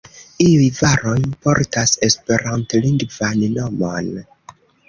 Iuj varoj portas Esperantlingvan nomon.